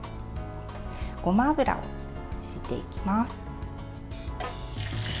ごま油をひいていきます。